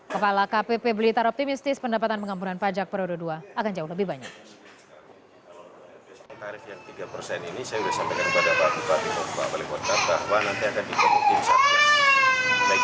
kepala kpp blitar optimistis pendapatan pengampunan pajak periode dua akan jauh lebih banyak